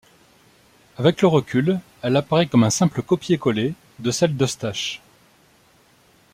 Avec le recul, elle apparaît comme un simple copier-coller de celle d'Eustache.